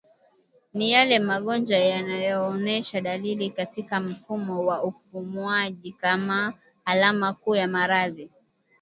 Ni yale magonjwa yanayoonesha dalili katika mfumo wa upumuaji kama alama kuu ya maradhi